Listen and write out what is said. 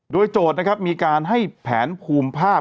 โดยโจทย์มีการให้แผนภูมิภาพ